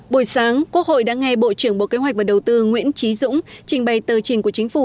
buổi sáng quốc hội đã nghe bộ trưởng bộ kế hoạch và đầu tư nguyễn trí dũng trình bày tờ trình của chính phủ